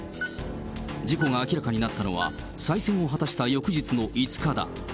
事故が明らかになったのは、再選を果たした翌日の５日だ。